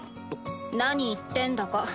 何言ってんだか。